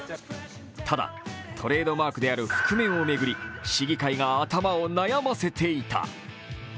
ただ、トレードマークである覆面を巡り市議会が頭を悩ませていた。